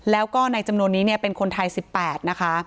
แล้วก็ในจำนวนนี้เป็นคนไทย๑๘นะคะ